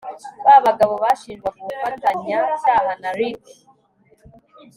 Ba bagabo bashinjwaga ubufatanya cyaha na Ricky